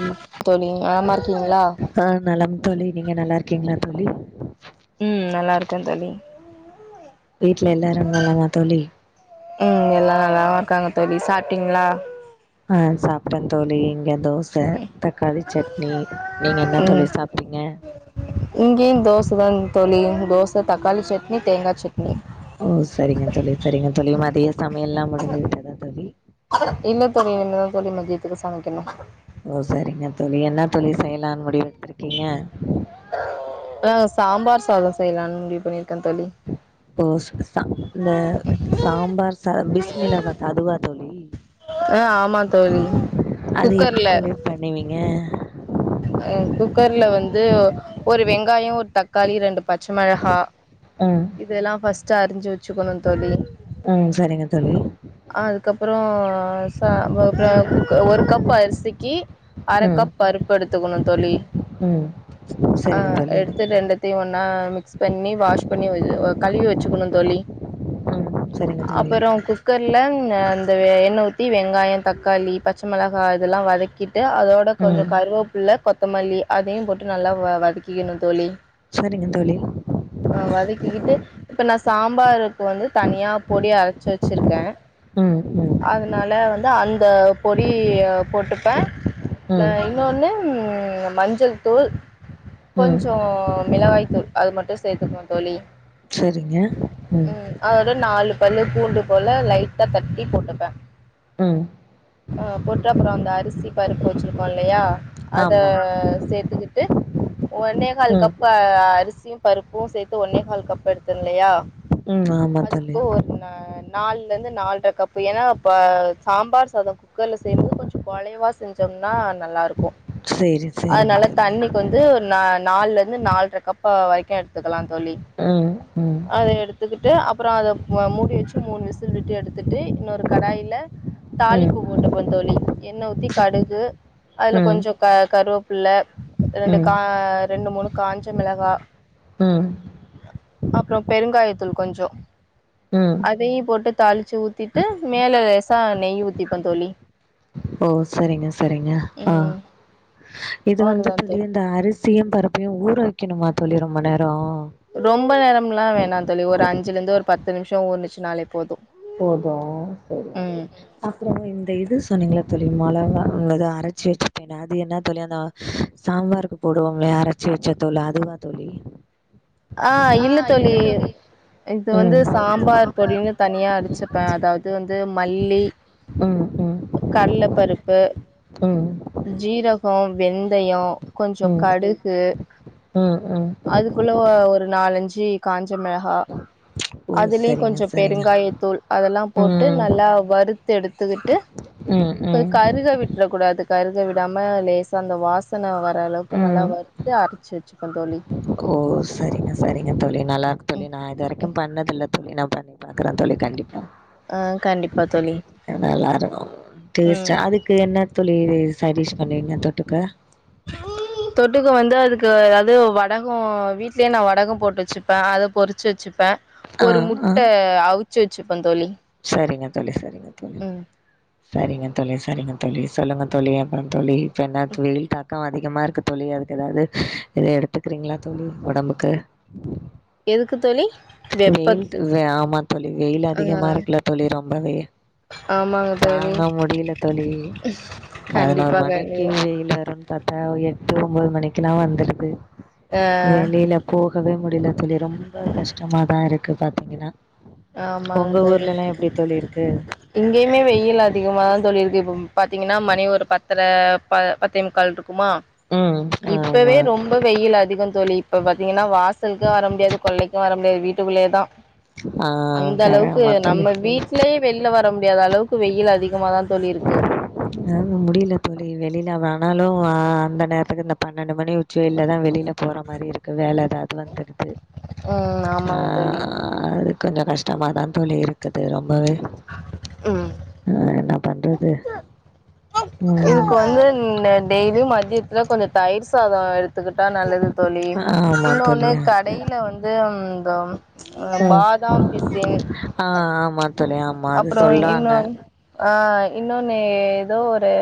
ம் தோழி நலமா இருக்கீங்களா ஆ நலம் தோழி நீங்க நல்லா இருக்கீங்களா தோழி ம் நல்லா இருக்கே தோழி வீட்டுல எல்லாரு நலமா தோழி ம் எல்லா நல்லாவா இருக்காங்க தோழி சாப்ட்டிங்களா ஆ சாப்ட்டே தோழி இங்க தோ ச தக்காளி சட்னி நீங்க என்ன ம் தோழி சாப்டிங்க இங்கேயு தோசதாங் தோழி தக்காளி சட்னி தேங்கா சட்னி ஓ சரிங்க தோழி சரிங்க தோழி மதிய சமையல்லா முடிந்து விட்டதா தோழி இல்ல தோழி இனிமேதா மதியத்துக்கு சமைக்கணு ஓ சரிங்க தோழி என்னா தோழி செய்லான்னு முடிவு எடுத்துருக்கீங்க அ சாம்பார் சாத செய்லான்னு முடிவு பண்ணிருக்கே தோழி இப்போ ச இந்த சாம்பார் ச பிஸ்மிலா பாத் அதுவா தோழி ஆ ஆமா தோழி அது எப்டி குக்கர்ல தோழி பண்ணுவீங்க அ குக்கர்ல வந்து ஒரு வெங்காய ஒரு தக்காளி ரெண்டு பச்ச மெளகா ம் இதெல்லா ஃபஸ்ட் அறிஞ்சு வச்சுக்கணு தோழி ம் சரிங்க தோழி அதுக்கப்புற ச ஒரு கப் அரிசிக்கி அர ம் கப் பருப்பு எடுத்துக்கணு தோழி ம் அ சரிங்க தோழி எடுத்து ரெண்டத்தையு ஒன்னா மிக்ஸ் பண்ணி வாஷ் பண்ணி கழுவி வச்சுக்கணு தோழி ம் சரிங்க தோழி அப்பற கு க்கர்ல அந்த எண்ண ஊத்தி வெங்காய தக்காளி பச்ச மெளகா அதெல்லா வதக்கிட்டு அதோ ட ம் கொஞ்ச கருவேப்புள்ள கொத்தமல்லி அதயு போட்டு நல்லா வதக்கிக்கணு தோழி சரிங்க தோழி ஆ வதக்கிக்கிட்டு இப்ப நா சாம்பாருக்கு வந்து தனியா பொடி அரச்சு வச்சிருக்கே ம் ம் அனால வந்து அந்த பொடி போட்டுப்பே ம் இன்னொனு மஞ்சள் தூள் ம் கொஞ்ச மிளகாய் தூள் அது மட்டு சேத்துக்குவோ தோழி சரிங்க ம் அதோட நாலு பல்லு பூண்டு போல லைட்டா தட்டி போட்டுப்பே ம் அ போட்டு அப்ற அந்த அரிசி பருப்பு வச்சிருக்கோ இல்லயா அத ஆமா சேத்துக்கிட்டு ஒன்னே கால் ம் கப்பு இப்ப அரிசியு பருப்பு சேத்து ஒன்னே கால் கப்பு எடுத்தொல்லயா ம் ஆமா தோழி அதுக்கோ ஒரு ந நால்ல இருந்து நால்ர கப்பு ஏனா இப்ப சாம்பார் சாத குக்கர்ல செய்யும்போது கொஞ்ச கொழைவா செஞ்சோம்னா நல்லாருக்கு செரி செரிங்க தண்ணிக்கு வந்து ந நால்ல இருந்து நால்ர கப்பு வரைக்கு எடுத்துக்கலா தோழி ம் ம் அத எடுத்துக்கிட்டு அப்ற அத மூடி வச்சு மூணு விசில் விட்டு எடுத்துகிட்டு இன்னொரு கடாயில ம் தாளிப்பு போட்டுக்குவே தோழி எண்ண ஊத்தி கடுகு அதுல ம் கொஞ்ச க கருவபுள்ள ரெண்டு ம் கா ரெண்டு மூணு காஞ்ச மெளகா ம் அப்ற பெருங்காயத்தூள் கொஞ்ச ம் அதையு போட்டு தாளிச்சு ஊத்திட்டு மேலே லேசா நெய் ஊத்திப்போ தோழி ஓ சரிங்க சரிங்க ஆ ம் இது வந்து அவ்ளோதா புளி தோழி இந்த அரிசி சியு பருப்பையு ஊற வைக்கணுமா தோழி ரொம்ப நேரோ ரொம்ப நேரம்லா வேணா தோழி ஒரு அஞ்சுல இருந்து ஒரு பத்து நிமிஷ ஊர்னுச்சுனாலே போது போது சரியா ம் போச்சு அப்புறம் இந்த இது சொன்னீங்களா தோழி மொளகா அரைச்சி வச்சு அது என்ன தோழி அந்த சாம்பாருக்கு போடுவோம்ள அரச்சு வச்ச தூளு அது வா தோழி ஆ இல்ல தோழி இது வந்து ம் அது சாம்பார் பொடினு தனியா இரு வச்சுப்ப வச்சு அதாவது வந்து மல்லி ம் ம் கல்ல பருப்பு ம் ம் ஜீரகோ வெந்தயே கொஞ்ச ம் கடுகு அதுக்குள்ள ஒரு நாலஞ்சு காஞ்ச மிளகா ஓ அதுலயு சரிங்க கொஞ்சோ சரிங்க பெருங்காயத்தூள் அதெல்லா போட்டு ம் நல்லா வறுத்து எடுத்துக்கிட்டு ம் ம் கருக விட்றக்கூடாது கருக விடாம லேசாக அந்த வாசன வர அளவுக்கு நல்லா ம் வறுத்து அரைச்சு வச்சுக்கணனு தோழி ஓ சரிங்க சரிங்க தோழி நல்லயிருக்கு தோழி ம் நா இது வரைக்கு ம் பண்ணதில்ல தோழி நா பண்ணி பாக்குற தோழி கண்டிப்பா ஆ கண்டிப்பா தோழி நல்லா இருக்கு டேஷ்டா ம் அது க்கு என்ன தோழி சைடிஷ் பண்ணுவீங்க தொட்டுக்க தொட்டுக்கு வந்து அதுக்கு அது வடகம் வீட்லயே நா வடகம் போட்டு வச்சுப்பே அத போறிசி வெச்சுப்ப ஆ ஒரு ஆ முட்ட அவிச்சு வச்சுப்ப தோழி சரிங்க தோழி சரிங்க தோழி ம் சரிங்க தோழி சரிங்க தோழி சொல்லுங்க தோழி அப்புற தோழி என்ன தோழி இப்ப என்ன வெயில் தாக்க அதி கமா இருக்கு தோழி அதுக்கு ஏதாவது எத எடுத்துக்கிறீங்களா தோழி உடம்புக்கு எதுக்கு தோழி வெப்ப வெயில் ஆமா தோழி வெயில் ஆ அதிகமா இருக்குல தோழி ரொம்பவே ஆமாங்க தோழி தாங்க முடியல தோழி பதினோரு கண்டிப்பா மணிக்கு கண்டிப்பா வெயில் வரும் பாத்தா எட்டு ஒன்பது மணிக்குலா வந்துடுது ஆ வெளில போகவே முடியல தோழி ரொம்ப கஷ்டமா த இருக்கு பாத்தீங்கன்னா ஆமாங்க உங்க ஊர்ல தோழி எல்லா எப்டி தோழி இருக்கு இங்கேயுமே வெயில் அதிகமாக தா தோழிருக்கு இப்போ பாத்தீங்கன்னா மணி ஒரு பத்தர ப பத்தே முக்கால் இருக்குமா ம் ஆமா இப்பவே ரொம்ப வெயில் அதிக தோழி இப்ப பாத்தீங்கன்னா வாசலுக்கு வர முடியாது கொள்ளைக்கு வர முடியாது வீட்டுக்குள்ளே தா ஆ அந்த கர அளவுக்கு ஆமா தோழி நம்ம வீட்லேயே வெளில வர முடியாத அளவுக்கு வெயில் அதிகமாதா தோழி இருக்கு அது முடியல தோழி வெளியில அவ ஆனாலு அந்த நேரத்துக்கு இந்த பன்னெண்டு மணி உச்சி வெயில்ல தா வெளியில போகிற மாரி இருக்கு வேல எதாது வந்துடுது உம் ஆ ஆமாங்க தோழி அது கொஞ்ச கஷ்டமாதா தோழி இருக்குது ரொம்பவே ம் ஆ என்ன பண்றது ம் இதுக்கு வந்து டெய்லியு மத்தியதுல கொஞ்சம் தயிர் சாதம் எடுத்துக்கிட்டா நல்லது தோழி ஆமா தோழி இன்னொண்ணு ஆ கடையில வந்து இந்த பாதாம் பிசின் ஆ ஆமா தோழி ஆமா அது அப்புறம் சொல்ராங்க இன்னொன் ஆ இன்னொன்னு ஏதோ ஒரு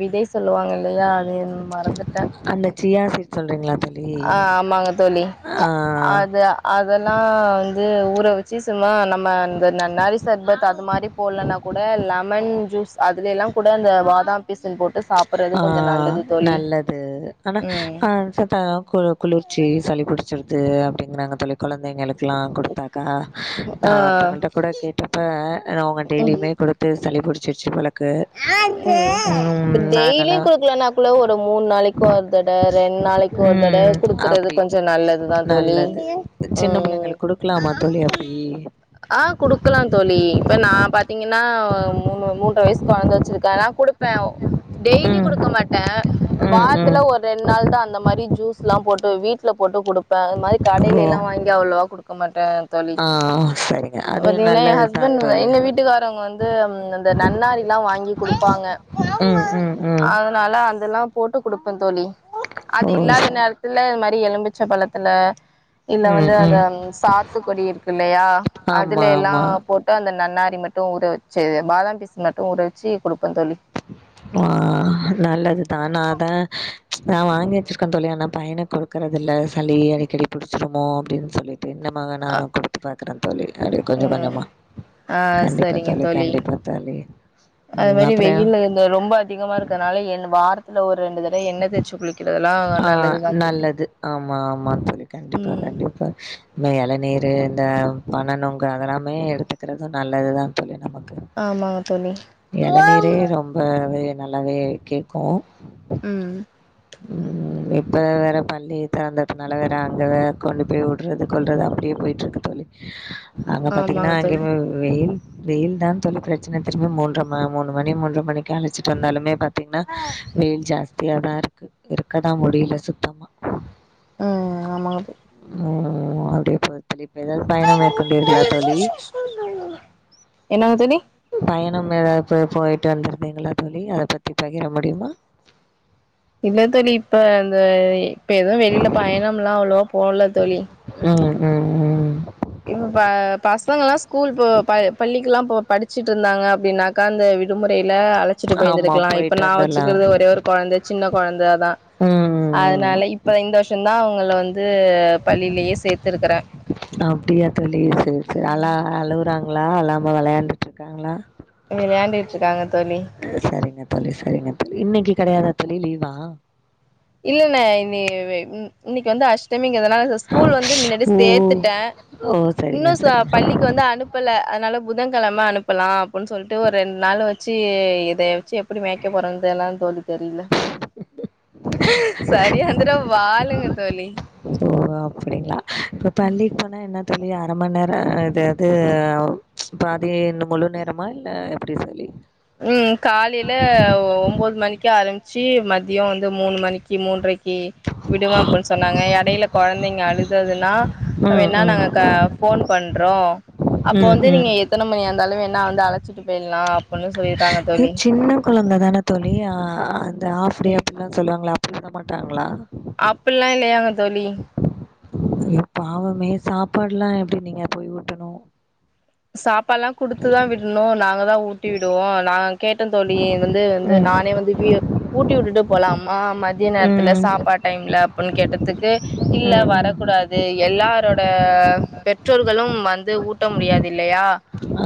விதை சொல்லுவாங்க இல்லையா அது மறந்துட்டேன் அந்த சியாசீட் சொல்றீங்களா தோழி ஆ ஆமாங்க தோழி ஆ அது அதெல்லா வந்து ஊற வச்சு சும்மா நம்ம இந்த நன்னாரி சர்பத் அது மாரி போல்லனா கூட லெமன் ஜூஸ் அதுல எல்லா கூட அந்த பாதாம் பீசன் போட்டு சாப் ஆ நல்லது ஆனா ம் ஆ சத்த குளிர் சி சளி பிடிச்சடுது அப்படிங்கிறாங்க தோழி கொழந்தைங்களுக்கு க்கலா குடுத்தாக்க ஆ தங்கிட்ட கூட கேட்டப்ப அவங்க ம் டெய்லியுமே குடுத்து சளி பபுடிச்சிருச்சு பளக்கு இப்ப டை லி குடுக்கலனா கூட ஒரு மூணு நாளைக் ஒரு தட ரெண்டு நாளைக் ஒரு தட ம் குடுக்குறது அப்டி கொ ஞ்ச நல்லதுதா தோழி நல்லது சின்ன ம் பிள்ளைங்களுக்கு குடுக்கலாமா தோழி அப்டி ஆ குடுக்கலா தோழி இப்ப ந பாத்தீங்கன்னா மூணு மூன்ற வயசுக் கொழந்த வச்சிருக்கே நா குடுப்பே டெய்லி ம் குடுக்க மாட்டே ம் வாரத்துல ம் ஒரு ரெண்டு நாள் தா அந்த மாரி ஜூஸ்லா போட்டு வீட்ல போட்டு குடுப் இப்ப அது மாரி கடைல எல்லா ஓ வாங்கி அவ்வளோவா குடுக்க மாட்ட தோழி ஆ சரிங்க அது பாத்தீங்கன்னா எ நல்லதுதா ஹஸ்பண்ட் தோழி எங்க வீட்டுக்காரவங்க வந்து இந்த நன்னாரில்லா வாங்கி குடுப்பாங்க ம் ம் ம் னால அதெல்லா போட்டு குடுப்பே தோழி அது ஓ ச இல்லாத நேர இல்ல இ மாதிரி எலும்பிச்ச பழத்துல இல்ல வந்து ம் அந்த ம் சாத்து குடி இருக்கு இல்லையா ஆமா அதுல எல்லா ஆமா போட்டு அந்த நன்னாரி மட்டு ஊற வச்சு பாதாம் பீஸ் மட்டு ஊறவிச்சு குடுப்பே தோழி ஆ நல்லது தானா அதா நா வாங்கி வச்சிருக்கே தோழி ஆனா பயன குடுக்குறதுல்ல சளி அடிக்கடி பிடிச்சடுமோ அப்படின்னு சொல்லிட்டு என்னமாக அ நானு குடுத்து பாத் குற தோழி அடிய கொஞ்ச ம் கொஞ்சமா ஆ கண்டிப்பா சரிங்க தோழி கண்டிப்பா தோழி அது ம் மாரி அப்றோ வெயில்லு இந்த ரொம்ப அதிகமா இருக்கனால என் வாரத்துல ஒரு ரெண்டு தடவ எண்ணெ தேய்ச் சு குளிக்கல எல்லா ஆ நல்லது ஆமா ஆமா தோழி கண்டிப்பா ம் கண்டிப்பா இளநீரு இந்த பன நுங்கு அதெல்லாமே எடுத்துக்கறது நல்லது தா ஆமாங்க தோழி எளநீரே ரொம்பவே நல்லாவே கேக்கு ம் இப்போ வேறு பள்ளி தெறந்ததுனால வேறு அங்க வே கொண்டு போய் விடுறது கொல்றது அப்படியே போயட்டுருக்கு தோழி [inaudible] அங்க பாத்தீங்கன்னா ஆமாங்க தோழி அங்கயமே வெயில் வெயில் தா தோழி பிரச்சனை திருமே மூன்ற ம மூணு மணி மூ மணிக்கு அழைச்சிட்டு வந்தாலுமே பா பத்தீங்கன்னா வெயில் ஜாஸ்தியாதா இருக்கு இருக்கதா முடியல சுத்தமா ம் ஆமாங்கப்ப ம் அப்படியே போ தெ இப்ப ஏதாவது பயணம் மேற்கொண்டிர்களா தோழி என்னாங்க தோழி பயணம் ஏதாவது போ போயிட்டு வந்துருந்தீங்களா தோழி அத பத்தி பகிர முடியுமா இல்ல தோழி இப்ப அந்த இப்ப எதுவு வெளியில பயணம் எல்லா அவ்வளோவா போல தோழி ம் ம் ம் இப்போ பசங்கல்லா ஸ்கூல் இ ப பள்ளிக்குல்லா இ படிச்சுட்ருந்தாங்க அப்படின்னாக் உக்காந்த விடுமுறையில அழ வச்சுட்டு ஆமா போயந்திருக்கலா இப்ப போயிட்டு நா வந்தர்லா வச்சுக்கிறது ஒரே ஒரு கொழந்தை சின்ன கொழந்தை அதா ம் ம் ம் அதனால இப்ப இந்த வருஷந்தா அவங்கள வந்து பள்ளியிலயே சேத்துருக்கறே அப்படியா தோழி சரி சரி அலா அழுவுறாங்களா அழாம வெளையாண்டுட்ருக்காங்களா விளையாண்டுட்ருக்காங்க தோழி சரிங்க தோழி சரிங்க தோழி இன்னைக்கு கெடையாதா தோழி லீவா இல்லண்ண இன் இன்னைக்கு வந்து அஷ்டமிங்கதனால ஸ்கூல் வந்து மின்னாடி ஓ சேத்துட்டே ஓ சரிங்க இன்னும் சா சரிங்க பள்ளிக்கு வந்து அனுப்ப ப்பல அதனால புதன்கெழம அனுப்பலா அப்ன்னு சொல்லிட்டு ஒரு ரெண்டு நாள் வச்சு வச்சு இதைய வச்சு எப்டி மேய்க போறது எல்லாம்னு தோழி தெரியல சரி அந்திர வாலுங்க தோழி ஓ அப்டிங்களா இப்ப பள்ளிக்கு ன்னா என்ன தோழி அரமண் நேர அது அதாவது பாதி இன்ன முழு நேரமா இல்ல அப்டி சொல்லி ம் காலையில ஒம்போது மணிக்கு ஆரம்பிச்சு மதியம் வந்து மூணு மணிக்கு மூன்ரைக்கு க்கி விடுவம் அப்டின்னு சொன்னாங்க எடையில கொழந்தைங்க அழுததுன்னா ம் வேணா ம் நாங்க ஃபோன் பண்றோ அப்போ ம் வந்து ம் நீங்க எத்தன மணியா இருந்தாலு வேணா வந்து அழச்சிட்டு போயிடலா ஏ சின்ன கொழந்த தான தோழி ஆ அந்த ஆஃப் டே ம் அப்பில்லா சொல்லுவாங்கள அப்டி விட மாட்டாங்களா அப்பல்லா இல்லையாங்க தோழி ஐயோ பாவமே சாப்பாடெல்லா எப்டி நீங்க போய் ஊட்டணு சாப்பால்லா குடுத்துதா விடணு நாங்க தா ஊட்டி விடுவோ நாங்க கேட்டோ தோழி வந்து வந்து ம் நானே வந்து வீடு ஊட்டி விட்டுட்டு போலாம்மா மதிய நேரத்துல ம் சாப்பாட் டைம்ல அப்டின்னு கேட்டதுக்கு இல்ல ம் ம் வரக்கூடாது எல்லாரோட பெற்றோர்களும் வந்து ஊட்ட முடியாது இல்லையா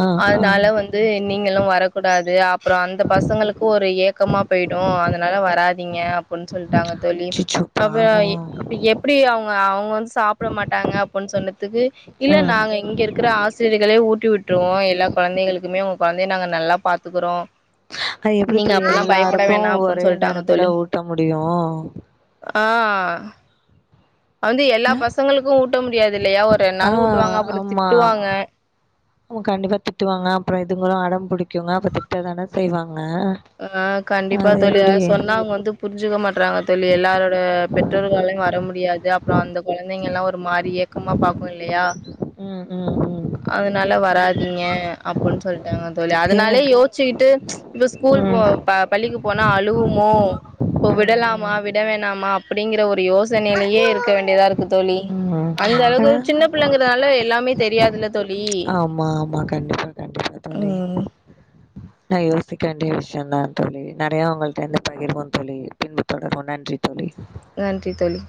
ஆ ஆ அதனால வந்து ந்து நீங்களும் வரக்கூடாது அப்றோ அந்த பசங்களுக்கு ஒரு ஏக்கமா போயிடும் அதனால வராதிங்க அப்புன்னு சொல்ட்டாங்க தோழி அச்சச்சோ அப்றோ பாவோ அப்ப எப்டி அவங்க அவங்க வந்து சாப்பிட மாட்டாங்க அப்டின்னு சொன்னதுக்கு இல்ல ம் நாங்க இங்க இருக்க இருக்கிற ஆசிரியர்களே ஊட்டி விட்டுருவோ எல்லா கொழந்தைகளுக்குமே உங்க கொழந்தைய நாங்க நல்லா பாத்துக்குறோ அது எப்டி நீங்க தோழி அப்பல்லா பயப்பட எல்லாருக்கு வேணா அப்புன்னு ஒரே சொல்ட்டாங்க நேரத்துல தோழி ஊட்ட முடியு ஆ வந்து எல்லா ஆ பசங்களுக்கு ஊட்ட முடியாது இல்லையா ஒரு ரெண்டு ஆ நாள் ஊட்டுவாங்க அப்றோ திட்டுவாங்க அவங்க கண்டிப்பா திட்டுவாங்க அப்றோ இதுங்களும் அடம் புடிக்குங்க அப்ப திட்ட தான செய்வாங்க ஆ கண்டிப்பா அது தோழி அத எப்டி சொன்னா அவங்க வந்து புரிஞ்சுக்க மாட்றாங்க தோழி எல்லாரோட பெற்றோர்களயு வர முடியாது அப்றோ அந்த ககொழந்தைங்க எல்லா ஒரு மாரி ஏக்கமா பாக்கும் இல்லையா ம் ம் ம் அதனால வராதிங்க அப் புன்னு சொல்லிட்டாங்க தோழி அதனாலே எனக்கு யோச்சிக்கிட்டு இப்ப ஸ்கூல் போ ம் ப பள்ளிக்கு போனா அழுவுமோ இப்ப ம் விடலாமா ம் விட வேணாமா அப்படிங்கிற ஒரு யோசனையிலயே இருக்க வேண்டியதா இருக்கு தோழி ம் அந்த ஆனா அளவுக்கு சின்ன பிள்ளைங்கறனால எல்லாமே தெரியாதுல்ல தொழி ஆமா ஆமா கண்டிப்பா கண்டிப்பா தோழி ம் நா யோசிக்க வேண்டிய விஷயந்தா தோழி நெறையா உங்கள்ட்ட இருந்து பகிர்வோ தோழி பின்பு தொடர்வோ நன்றி தோழி நன்றி தோழி